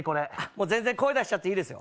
全然、声だしちゃっていいですよ